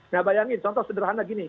nah bayangin contoh sederhana gini